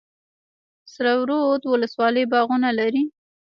سره رود ولسوالۍ باغونه لري؟